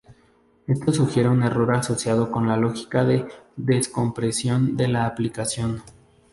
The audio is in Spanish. Esto sugiere un error asociado con la lógica de descompresión de la aplicación.